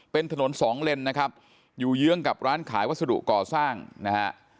เป็นถนนสองเลนนะครับอยู่เยื้องกับร้านขายวัสดุก่อสร้างนะฮะ